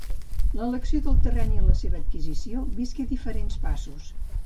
L'elecció del terreny i la seva adquisició visqué diferents passos.